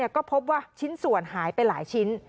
ก็พบว่าชิ้นส่วนหายไปหลายชิ้น